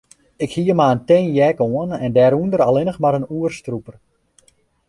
Ik hie mar in tin jack oan en dêrûnder allinnich mar in oerstrûper.